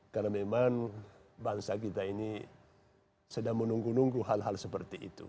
karena memang bangsa kita ini sedang menunggu nunggu hal hal seperti itu